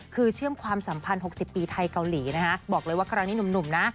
คือเชื่อมความสัมพันธ์๖๐ปีไทยเกาหลีนะคะบอกเลยว่าครั้งนี้หนุ่มนะ